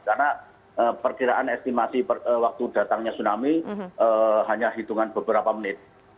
karena perkiraan estimasi waktu datangnya tsunami hanya hitungan beberapa menit